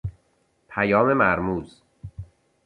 پیام مرموز